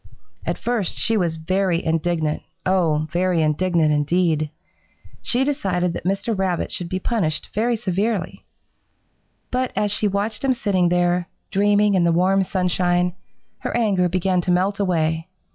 "At first she was very indignant, oh, very indignant, indeed! She decided that Mr. Rabbit should be punished very severely. But as she watched him sitting there, dreaming in the warm sunshine, her anger began to melt away.